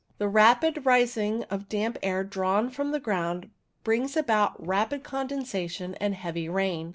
The rapid rising of damp air drawn from the ground brings about rapid condensation and heavy rain.